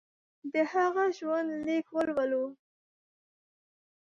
د هغه ژوندلیک ولولو.